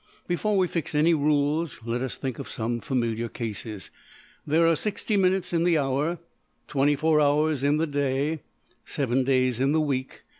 Before we fix any rules let us think of some familiar cases. There are $60$~minutes in the hour, $24$~hours in the day, $7$~days in the week.